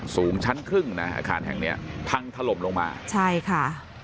สูงชั้นครึ่งนะอาคารแห่งเนี้ยพังถล่มลงมาใช่ค่ะ